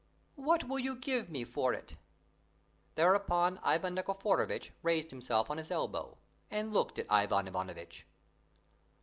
"What will you give me for it?" Thereupon Ivan Nikiforovitch raised himself on his elbow, and looked at Ivan Ivanovitch.